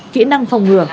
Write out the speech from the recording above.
kỹ năng phòng ngừa